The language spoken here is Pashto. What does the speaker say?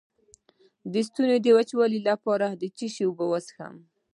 د ستوني د وچوالي لپاره د څه شي اوبه وڅښم؟